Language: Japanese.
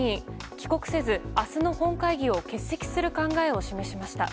帰国せず、明日の本会議を欠席する考えを示しました。